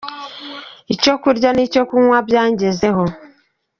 Icyo kurya nicyo kunywa byangezeho